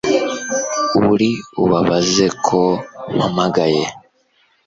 Uri ubabaze ko mpamagaye